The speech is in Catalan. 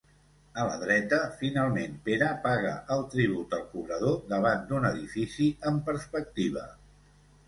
A la dreta, finalment, Pere paga el tribut al cobrador davant d'un edifici en perspectiva.